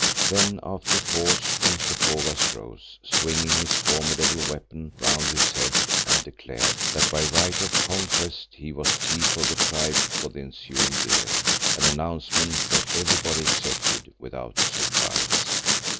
Then, after a pause, Umslopogaas rose, swinging his formidable weapon round his head and declared that by right of conquest he was Chief of the Tribe for the ensuing year, an announcement that everybody accepted without surprise.